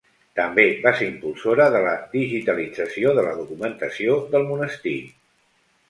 També va ser impulsora de la digitalització de la documentació del monestir.